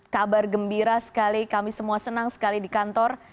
kabar gembira sekali kami semua senang sekali di kantor